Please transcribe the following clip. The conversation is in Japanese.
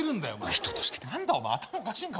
人としてだ何だお前頭おかしいんか？